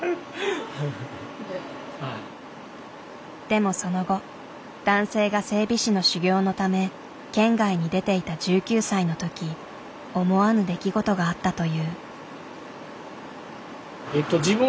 でもその後男性が整備士の修業のため県外に出ていた１９歳の時思わぬ出来事があったという。